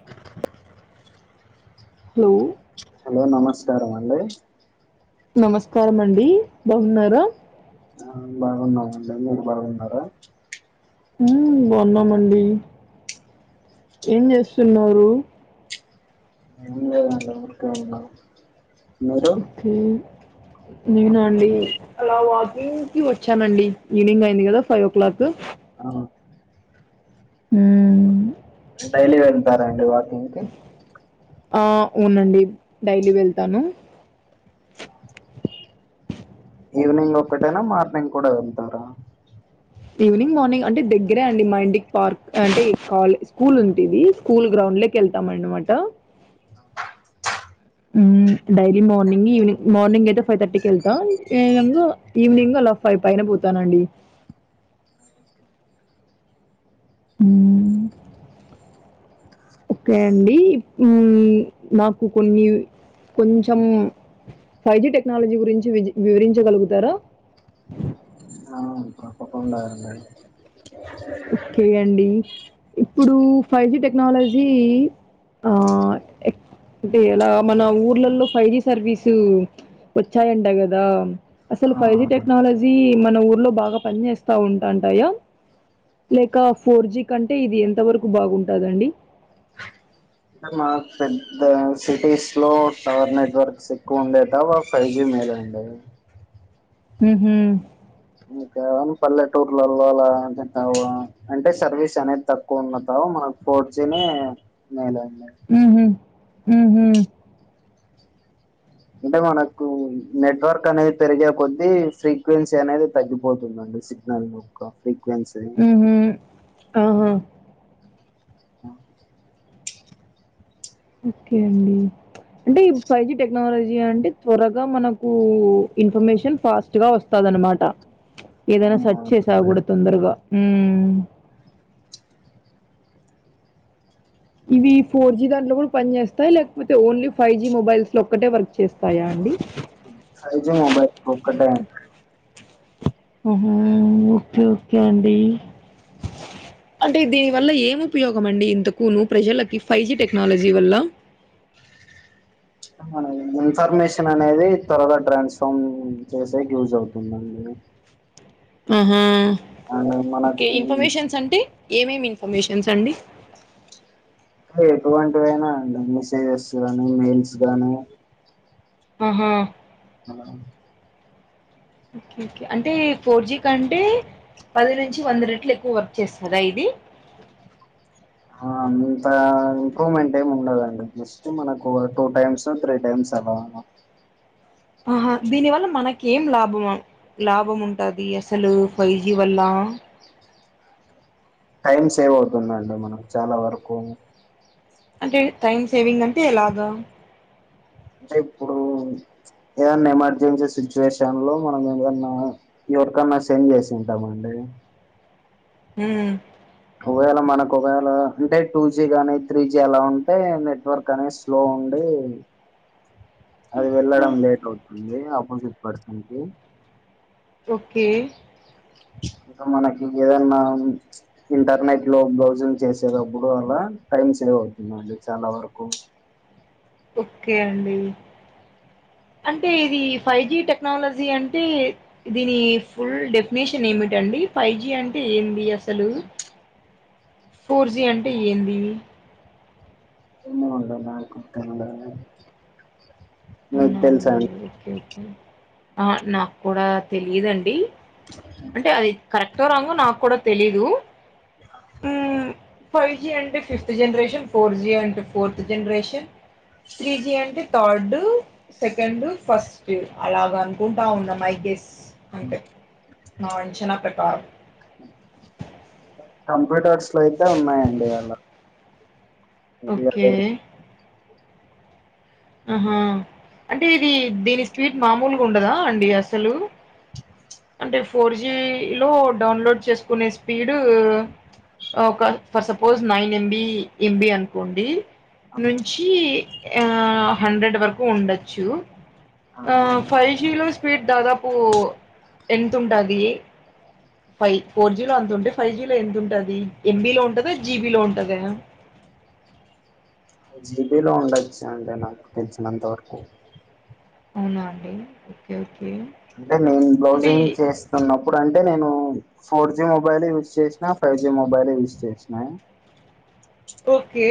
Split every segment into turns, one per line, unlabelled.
[inaudible]
Hello
hello నమస్కారం అండి
నమస్కారం అండి బాగున్నారా
ఆ బాగున్నాండి మీరు బాగున్నారా
హుమ్ బాగున్నామండి ఏం చేస్తున్నారు
[inaudible]
ఉమ్ నేనా అండి ఈవినింగ్ అయింది కదా ఫైవ్ ఓ క్లాక్
అవును
ఉ మ్
డైలీ వెళ్తారండి వాక్
ఆ వునండి డైలీ వెళ్తాను
ఈవనింగ్ ఒకటైనా మార్నింగ్ కూడా వెళ్తారా
ఈవినింగ్ మార్నింగ్ అంటే దగ్గరే అండి మా ఇంటికి పార్క్ అంటే కాల్ స్కూల్ ఉంది స్కూల్ గ్రౌండ్ లోకెళ్తామన్నమాట ఉమ్ డైలీ మార్నింగ్ ఈవనింగ్ మార్నింగ్ అయితే ఫైవ్ థర్టీకి వెళ్తా ఈవినింగ్ ఈవినింగ్ అలా ఫైవ్ పైన పోతానండి ఉము ఓకే అండి హమ్ నాకు కొన్ని కొంచెం ఫైజీ టెక్నాలజీ గురించి వి వివరించగలుగుతారా
ఆ ఉన్నదండి
ఓకే అండి ఇప్పుడు ఫైజీ టెక్నాలజీ ఆ ఎక్ అంటే ఎలా మన ఊర్లలో ఫై జి సర్వీసు వచ్చాయంట కదా అసలు
ఆ
ఫైవ్ జి టెక్నాలజీ మన ఊర్లో బాగా పని చేేస్తా ఉంటాంటయా లేక ఫోర్ జీ కంటే ఇది ఎంత వరకు బాగుంటదండి
అంటే మా పెద్ద సిటీస్ లో టవర్ నెట్వర్క్స్ ఎక్కువ ఉండే టవ ఫైవ్ జీ మేలండే
ఉహు
ఇకాను పల్లె టూర్లల్లో అలా [unintelligible] అంటే సర్వీస్ అనేది తక్కువ ఉండటం మనకు ఫోర్జినే మేలండి
ఉహు ఉహు
అంటే మనకు నెట్వర్క్ అనేది పెరిగే కొద్దీ ఫ్రీక్వెన్సీ అనేది తగ్గిపోతుంది. సిగనల్ ఒక్క ఫ్రీక్వెన్స్
హమ్ ఆ హ
ఆ
ఓకే అండి అంటే ఈ ఫైవ్ జి టెక్నాలజీ అండి త్వరగా మనకు ఇన్ఫర్మేషన్ ఫాస్ట్ గా వస్తదనమాట ఏదైనా సెర్చ్
ఆ
చేసా కూడా తొందరగా ఉమ్ ఇవి ఫోర్ జి దాంట్లో కూడా పని చేస్తాయి లేకపోతే ఓన్లీ ఫైవ్ జి మొబైల్స్ లో ఒక్కటే వర్క్ చేస్తాయా అండి
ఫైవ్ జీ మొబైల్ ఒక్కటే
హమ్ ఓకే ఓకే అండి అంటే దీని వల్ల ఏం ఉపయోగం అండి ఇంతకును ప్రజలకి ఫైవ్ జీ టెక్నాలజీ వల్ల
మ ఇన్ఫర్మేషన్ అనేది త్వరగా ట్రాన్స్ఫామ్ చేసేకి యూజ్ అవుతుందండి
ఆహా
అండ్
ఓకే
మనకి
ఇన్ఫర్మేషన్స్ అంటే ఏమేమి ఇన్ఫర్మేషన్స్ అండి
ఎటువంటివైనా అండి మెసేజెస్ గానీ మెయిల్స్ గానీ
ఆహా
అవు
అంటే ఫోర్ జీ కంటే పది నుంచి వంద రెట్లు ఎక్కువ వర్క్ చేస్తదా ఇది.
అ అంత ఇంప్రూవ్మెంట్ ఏమి ఉండదండి జస్ట్ మనకు టూ టైమ్స్ [unintelligible] తీ టైమ్స్ అలాగా
ఆహా దీని వల్ల మనకి ఏం లాభం? లాభం ఉంటాది అసలు ఫైవ్ జీ వల్లా.
టైం సేవ్ అవుతుందండి మనం చాలా వరకు
అంటే టైం సేవింగ్ అంటే ఎలాగా?
అంటే ఇప్పుడు ఏదన్నా ఎమర్జెన్సీ సిచ్యువేషన్లో మనం ఏదన్నా ఎవరికన్నా సెండ్ చేసింటామండి.
హ్
ఒకవేళ మనకు ఒకవేళ అంటే టూ జి గానీ త్రీ జి అలా ఉంటే నెట్వర్క్ అనేసి స్లో ఉండి అది వెళ్ళడం లేట్ అవుతుంది అపోజిట్ పర్సన్ కి.
ఓకే
ఇంకా మనకి ఎదన్నా ఇంటర్నెట్లో బ్రౌజింగ్ చేసేటప్పుడు అలా టైం సేవ్ అవుతుందండి చాలా వరకు.
ఓకే అండి. అంటే ఇది ఫైవ్ జి టెక్నాలజీ అంటే దీని ఫుల్ డెఫినేషన్ ఏమిటండి? ఫైవ్ జి అంటే ఏంది అసలు? ఫోర్ జీ అంటే ఏంది?
మీకు
అవునా
తెల్సా
అండి
అం
ఓకే ఓకే ఆ నాకు కూడా తెలియదండి అంటే అది కరెక్టో రాంగో నాకు కుడా తెలీదు. ఫైవ్ జి అంటే ఫిఫ్త్ జనరేషన్, ఫోర్ జి అంటే ఫోర్త్ జనరేషన్. త్రీజి అంటే థార్డు. సెకండ్, ఫస్ట్ అలాగ అనుకుంటా ఉన్నా మై గెస్ అంతే. నా అంచనా ప్రకారం
కంప్యూటర్స్లో అయితే ఉన్నాయండి అలా. ఇది
ఓకే
అదే
ఆహా అంటే ఇది దీని స్పీడ్ మామూలుగా ఉండదా అండి అసలు. అంటే ఫోర్ జీలో డౌన్లోడ్ చేసుకునే స్పీడ్ ఒక for suppose nine MB MB అనుకోండి. నుంచి ఆ హండ్రెడ్ వరకు ఉండొచ్చు. అ
ఆ
ఫైవ్ జీలో స్పీడ్ దాదాపు ఎంత ఉంటాది. ఫై ఫోర్ జీ లో అంత ఉంటే ఫైవ్ జీ లో ఎంత ఉంటది. ఎంబీ లో ఉంటదా, జీబి లో ఉంటదా.
జీబీలో ఉండొచ్చు అంటే నాకు తెలిసినంత వరకు.
అవునా అండి ఓకే ఓకే.
అంటే నేను
అంటే
బ్లౌజింగ్ చేస్ న్నప్పుడు అంటే నేను ఫోర్ జి మొబైలు యూజ్ చేశినా, ఫైవ్ జి మొబైలు యూజ్ చేశినా
ఓకే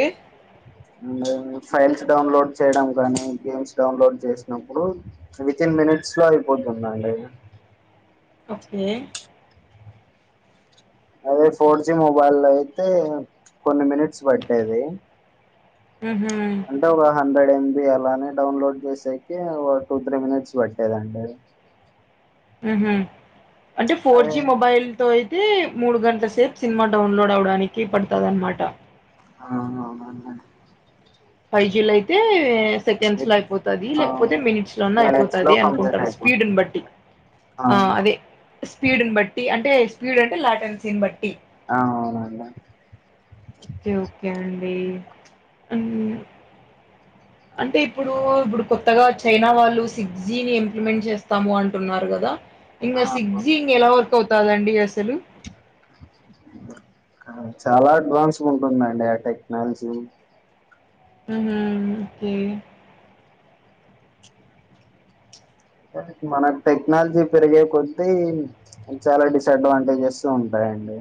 ఉ ఫైల్స్ డౌన్లోడ్ చేయడం గానీ గేమ్స్ డౌన్లోడ్ చేసినప్పుడు వితిన్ మినిట్స్ లో అయిపోతున్నాయండి.
ఓకే
అదే ఫోర్ జి మొబైల్లో అయితే కొన్ని మినెట్స్ పట్టేది.
ఉహ్
అంటే ఒక హండ్రెడ్ ఎం బి అలానే డౌన్లోడ్ చేసేకి ఒక టూ త్రీ మినిట్స్ పెట్టేద అండి
హ్మ్ హు అంటే ఫోర్
అదే
జి మొబైల్ తో అయితే మూడు గంటల సేపు సినిమా డౌన్లోడ్ అవడానికి పడుతది అనమాట
ఆ అవునండి
ఫైవ్ జీ లో అయితే సెకండ్స్ లో
విత్
అయిపోతది
ఆ
లేకపోతే మినిట్స్ లోన్నా
మినిట్స్ లో
అయిపోతది
కంప్లీట్
అనుకుంటారు
అయిపోతుంది
స్పీడును బట్టి ఆ అదే స్పీడ్ని బట్టి అంటే స్పీడ్ అంటే లాటెన్సీని బట్టి
ఆ అవునండి
కె ఓకే అండి అ అంటే ఇప్పుడు ఇప్పుడు కొత్తగా చైనా వాళ్ళు సిక్స్ జీ ని ఇంప్లిమెంట్ చేస్తాము అంటున్నారు కదా ఇంగ
ఆ
సిగ్జి ఇంగ ఎలా వర్క్ అవుతదండి అసలు
చాలా అడ్వాన్స్ గా ఉంటుందండి ఆ టెక్నాలజీ
హ్మ్ హు ఓకే
మనకు టెక్నాలజీ పెరిగే కొద్ది అది చాలా డిసడ్వాంటేజెస్ ఉంటాయండి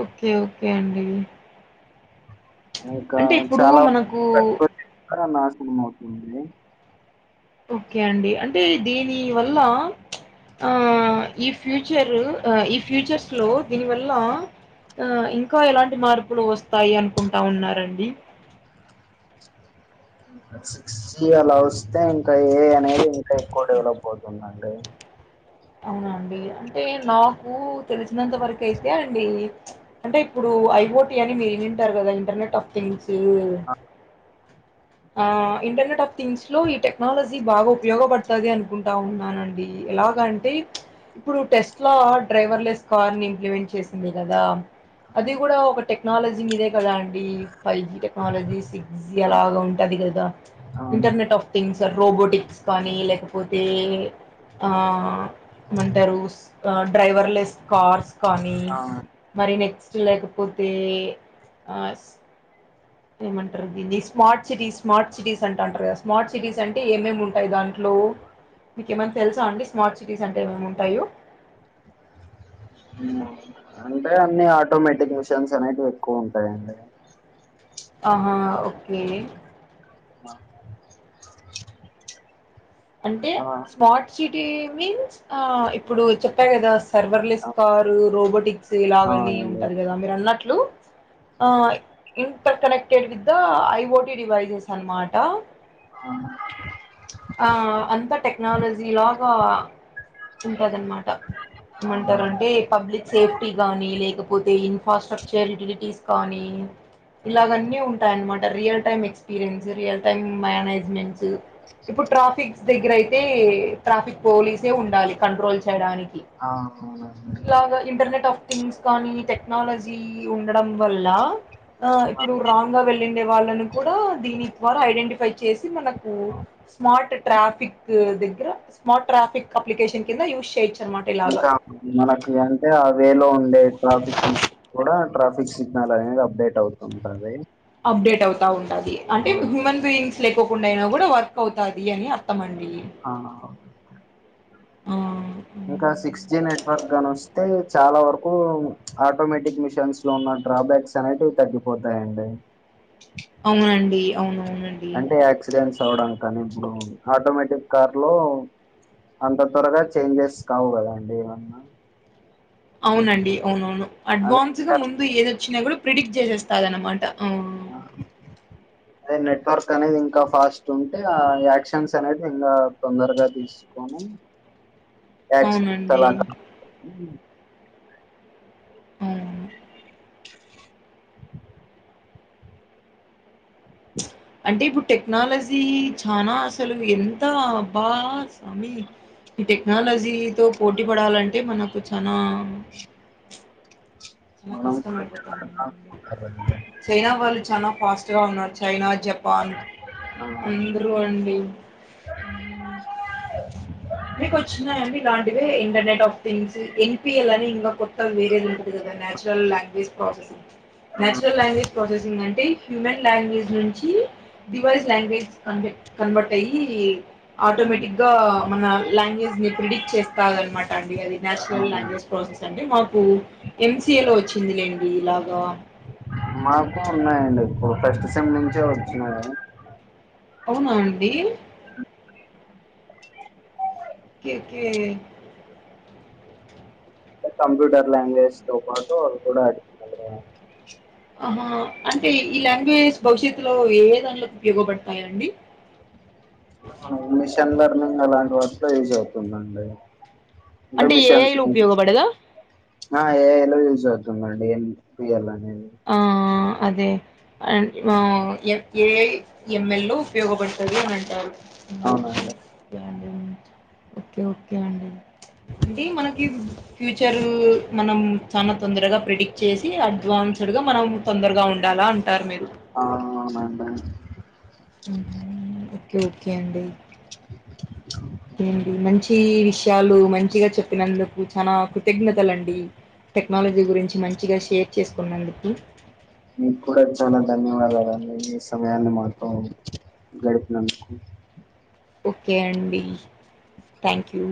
ఓకే ఓకే అండి
ఇక
అంటే ఇప్పుడు
చాలా
మనకు
ప్రకృతి కూడా నాశనం అవుతుంది
ఓకే అండి అంటే దీని వల్ల ఆ ఈ ఫ్యూచరు ఈ ఫ్యూచర్స్ లో దీనివల్ల ఆ ఇంకా ఎలాంటి మార్పులు వస్తాయి అనుకుంటా ఉన్నారండి
సిక్స్ జీ అలా వస్తే ఇంకా ఏ ఐ అనేది ఇంకా ఎక్కువ డెవలప్ అవుతుందండి
అవునండి అంటే నాకు తెలిసినంత వరకు అయితే అండి అంటే ఇప్పుడు ఐ ఓ టీ అని మీరు వినింటారు కదా ఇంటర్నెట్ ఆఫ్ థింగ్స్
అ
ఆ ఇంటర్నెట్ ఆఫ్ థింగ్స్ లో ఈ టెక్నాలజీ బాగా ఉపయోగపడుతది అనుకుంటా ఉన్నానండి ఎలాగా టె ఇప్పుడు టెస్ట్ లో డ్రైవర్లెస్ కార్ ని ఇంప్లిమెంట్ చేసింది కదా అది
అవును
కూడా ఒక టెక్నాలజీ మీదే కదా అండి five G technology six G
ఆ
అలాగ ఉంటది గదా
అవును
ఇంటర్నెట్ ఆఫ్ థింగ్స్ రోబోటిక్స్ కానీ లేకపోతే ఆ ఏమంటారు డ్రైవర్లెస్ కార్స్ కానీ
అవును
మరి నెక్స్ట్ లేకపోతే ఆ ఏమంటారు దీన్ని స్మార్ట్ సిటీస్ స్మార్ట్ సిటీస్ అంటంటారు కదా స్మార్ట్ సిటీస్ అంటే ఏమేమి ఉంటాయి దాంట్లో మీకేమైనా తెలుసా అండి స్మార్ట్ సిటీస్ అంటే ఏమేముంటాయో
మ్మ్ అంటే అన్ని ఆటోమేటిక్ మిషిన్స్ అనేటివి ఎక్కువ ఉంటాయిండి
ఆహా ఓకే
మాములుగా
అంటే
ఆ
స్మార్ట్ సిటీ మీన్స్ ఇప్పుడు చెప్పా గదా సర్వర్లెస్ కారు రోబోటిక్స్ ఇలాగని
అవునండి
ఉంటది కదా మీరు అన్నట్లు ఆ interconnected with I O T devices అన్నమాట
ఆ
ఆ అంత టెక్నాలజీ లాగా ఉంటదనమాట ఏమంటారంటే పబ్లిక్ సేవిటీ గానీ లేకపోతే ఇన్ఫ్రాస్ట్రక్చర్ యుటిలిటీస్ కానీ ఇలాగ అన్నీ ఉంటాయన్నమాట real time experience real time managements ఇప్పుడు ట్రాఫిక్స్ దగ్గర అయితే ట్రాఫిక్ పోలీసే ఉండాలి కంట్రోల్ చేయడానికి
ఆ అవునండి
ఇలాగ ఇంటర్నెట్ ఆఫ్ థింగ్స్ కానీ టెక్నాలజీ ఉండడం వల్ల ఆ ఇప్పుడు రాంగ్ గా వెళ్ళిండే వాళ్ళను కూడా దీని ద్వారా ఐడెంటిఫై చేసి మనకు స్మార్ట్ ట్రాఫిక్ దగ్గేర స్మార్ట్ ట్రాఫిక్ అప్లికేషన్ కింద యూజ్ చేయోచ్చు
ఇంకా మనకు అంటే అ వేలో ఉండే ట్రాఫిక్ కూడా ట్రాఫిక్ సిగ్నల్ అనేది అప్డేట్ అవుతుంటంది
అప్డేట్ అవుతా ఉంటది అంటే హ్యూమన్ బీయింగ్స్ లేకోకుండా అయినా కూడా వర్క్ అవుతది అని అర్థమండి
అ
అ
ఇంకా సిక్స్ జి నెట్వర్క్ గాని వస్తే చాలా వరకు ఆటోమేటిక్ మిషన్స్ లో ఉన్న డ్రాబ్యాక్స్ అనేటివి తగ్గిపోతాయండి
అవునండి అవునవునండి
అంటే యాక్సిడెంట్స్ అవడం కానీ ఇప్పుడు ఆటోమేటిక్ కార్ లో అంత త్వరగా చేంజెస్ కావు కదా అండి ఏమన్నా
అవునండి అవునవును
అదే
అడ్వాన్స్ గా
ఇంకా
ముందు ఏదొచ్చినా కూడా ప్రిడిక్ట్ చేసేస్తాదన్నమాట ఆ [inaudible]
అదే నెట్వర్క్ అనేది ఇంకా ఫాస్ట్ ఉంటే ఆ యాక్షన్స్ అనేది ఇంకా తొందరగా తీస్ కానీ యాక్సిడెంట్స్
అవునండి
తరువాత ఉమ్
ఆవునవును అంటే ఇప్పుడు టెక్నాలజీ చనా అసలు ఎంత అబ్బా స్వామి ఈ టెక్నాలజీతోపోటీ పడాలంటే మనకు చనా
ఇ
చాలా కష్టమైపోతావుంది
కాపాడాలండి.
చైనా వాళ్ళు చాల ఫాస్ట్ గా ఉన్నారు చైనా జపాన్ పాల్
ఆ,
అందురూ అండి ఉమ్ మీకు వచ్చినయ అండి ఇలాంటివి ఇంటర్నెట్ ఆఫ్ థింగ్స్ ఎన్పిఎల్ అని ఇంకా కొత్తగా వేరేది ఉండది నేచురల్ లాంగ్వేజ్ ప్రోసెసింగ్
ఆ,
నేచురల్ లాంగ్వేజ్ ప్రాసెసింగ్ అంటే హ్యూమన్ లాంగ్వేజ్ నుంచి డివైస్ లాంగ్వేజ్ కన్వె కన్వర్ట్ అయ్యి ఆటోమేటిక్
ఆ,
గా మన లాంగ్వేజ్ ని ప్రిడిక్ట్ చేస్తాది అన్నమాట అండి అది నేచురల్
ఆ.
లాంగ్వేజ్ ప్రాసెస్ అంటే మాకు ఎంసిఏ లో వచ్చిందిలేండి ఇలాగా
మాకు ఉన్నాయండి ఇప్పుడు ఫస్ట్ సెమ్ నుంచే వచ్చినయి
అవునా అండి కేకే
ట్ కంప్యూటర్ లాంగ్వేజ్ తో పాటు ఆది కూడా యాడ్ చేశారు.
ఆహా అంటే ఈ లాంగ్వేజ్ భవిష్యత్తులో ఏ దాంట్లోకి ఉపయోగపడతాయండి
మిషన్ లర్నింగ్ అలాంటి వాటిల్లో యూజ్ అవుతుందండి అంటే మీషన్స్
ఏఐలో
గురించి
ఉపయోగపడదా?
ఆ ఏ ఐ యూజ్ అవుతుందాండి ఏంపియల్ అనేది
ఆ ఆ అదే అండ్ మోమో ఎఫ్ ఏ ఎంఎల్ లో ఉపయోగపడుతది అని అంటారు
అవునండి
ఓకే అండి ఓకే ఓకే అండి ఇవ్వి మనకి ఫ్యూచరు మనం చానా తొందరగా ప్రిడిక్ట్ చేసి అడ్వాన్స్ సుడుగా మనం తొందరగా ఉండాల అంటారు మీరు
ఆ అవునండీ
ఓకే ఓకే అండి
హమ్
ఏండి మంచి విషయాలు మంచిగా చెప్పినందుకు చానా కృతజ్ఞతలండి టెక్నాలజీ గురించి మంచిగా షేర్ చేసుకున్నందుకు
మీకు కూడా చాలా ధన్యవాదాలండి మీ సమయాన్ని మాతో గడిపినందుకు
ఓకే అండి థ్యాంక్ యూ